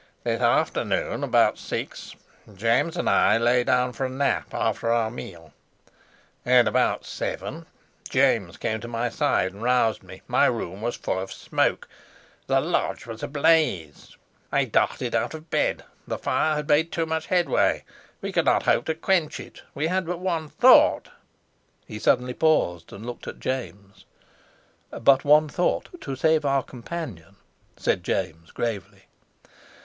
"This afternoon, about six, James and I lay down for a nap after our meal. At about seven James came to my side and roused me. My room was full of smoke. The lodge was ablaze. I darted out of bed: the fire had made too much headway; we could not hope to quench it; we had but one thought!" He suddenly paused, and looked at James. "But one thought, to save our companion," said James gravely.